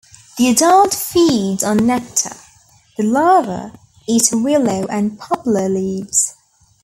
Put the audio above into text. The adult feeds on nectar, the larva eat willow and poplar leaves.